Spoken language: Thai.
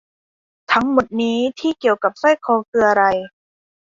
ทั้งหมดนี้ที่เกี่ยวกับสร้อยคอคืออะไร